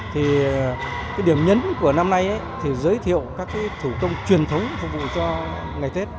thì cái điểm nhấn của năm nay thì giới thiệu các cái thủ công truyền thống phục vụ cho ngày tết